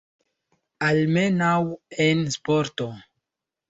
Almenaŭ en sporto.